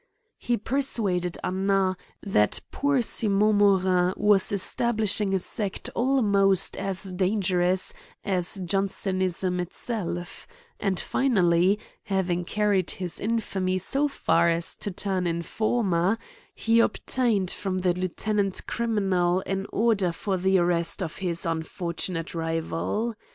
He persuaded Annat, that poor Simon Morin was establishing a sect almost as danger ous as Jansenism itself ; and, finally, having carri ed his infamy so far as to turn informer, he ob tained from the Lieutenant 'Crimmel^ an order for the arrest of his unfortunate rival.